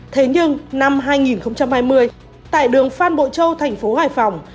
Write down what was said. thế nhưng năm hai nghìn hai mươi tại đường phan bội châu thành phố hải phòng